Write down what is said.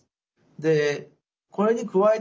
でこれに加えてですね